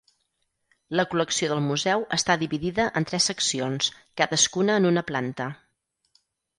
La col·lecció del Museu està dividida en tres seccions, cadascuna en una planta.